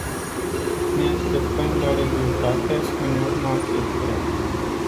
Ne așteptăm la rezultate în urma acesteia.